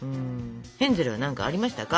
ヘンゼルは何かありましたか？